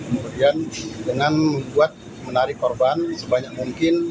kemudian dengan membuat menarik korban sebanyak mungkin